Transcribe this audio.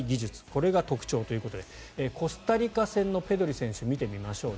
これが特徴ということでコスタリカ戦のペドリ選手を見てみましょう。